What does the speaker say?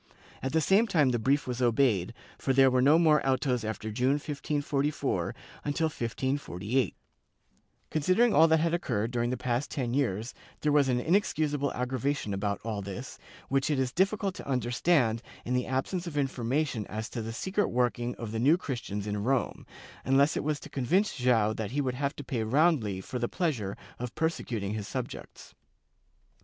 At the same time the brief was obeyed, for there were no more autos after June, 1544, until 1548/ Considering all that had occurred during the past ten years, there was an inexcusable aggravation about all this, which it is difficult to understand in the absence of information as to the secret work ing of the New Christians in Rome, unless it was to convince Joao that he would have to pay roundly for the pleasure of persecuting his subjects.